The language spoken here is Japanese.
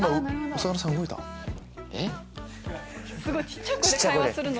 すごい小っちゃい声で会話するの？